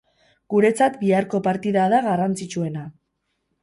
Guretzat biharko partida da garrantzitsuena.